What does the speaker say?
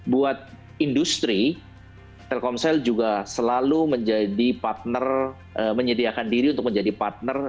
buat industri telkomsel juga selalu menjadi partner menyediakan diri untuk menjadi partner